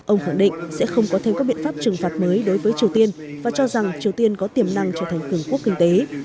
ông khẳng định sẽ không có thêm các biện pháp trừng phạt mới đối với triều tiên và cho rằng triều tiên có tiềm năng trở thành cường quốc kinh tế